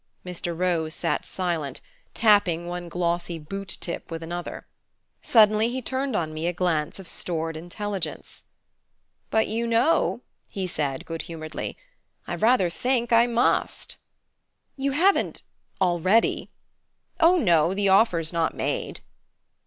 Mr. Rose sat silent, tapping one glossy boot tip with another. Suddenly he turned on me a glance of stored intelligence. "But you know," he said good humoredly, "I rather think I must." "You haven't already?" "Oh, no; the offer's not made."